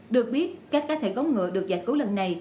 được biết các cá thể gấu ngựa được giải cứu lần này